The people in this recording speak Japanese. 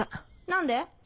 何で？